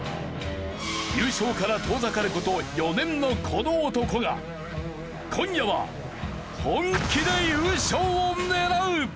優勝から遠ざかる事４年のこの男が今夜は本気で優勝を狙う！